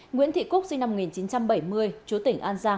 nguyễn thị cúc sinh năm một nghìn chín trăm bảy mươi chú tỉnh an giang